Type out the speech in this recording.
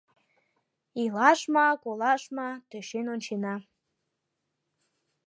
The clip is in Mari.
Илаш ма, колаш ма — тӧчен ончена.